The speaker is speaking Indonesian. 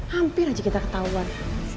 hampir aja kita ketauan